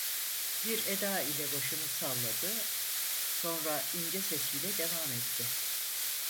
Bir eda ile başını salladı, sonra ince sesiyle devam etti.